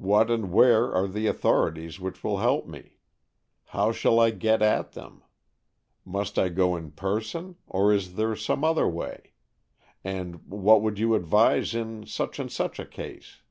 what and where are the authorities which will help me? how shall I get at them? must I go in person, or is there some other way? and what would you advise in such and such a case?"